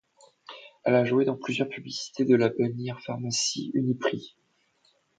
Elle a joué dans plusieurs publicités de la bannière de pharmacies Uniprix.